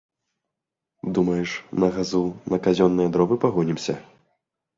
Думаеш, на газу, на казённыя дровы пагонімся?